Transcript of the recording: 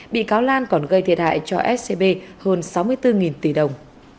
bị cáo lan còn gây thiệt hại cho scb hơn sáu mươi bốn tỷ đồng